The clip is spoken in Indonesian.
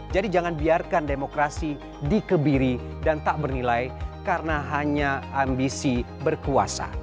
jadi jangan biarkan demokrasi dikebiri dan tak bernilai karena hanya ambisi berkuasa